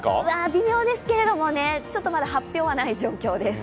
微妙ですけれども、ちょっとまだ発表はない状況です。